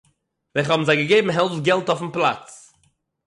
וועלכע האבן זיי געגעבן העלפט געלט אויפ'ן פּלאץ